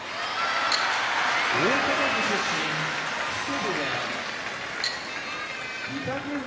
大阪府出身木瀬部屋御嶽海